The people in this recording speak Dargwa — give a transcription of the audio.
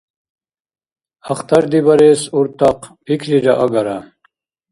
Ахтардибарес, уртахъ, пикрира агара.